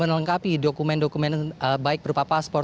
melengkapi dokumen dokumen baik berupa paspor